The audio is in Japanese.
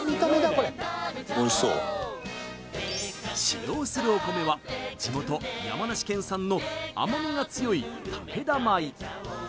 これおいしそう使用するお米は地元山梨県産の甘みが強い武田米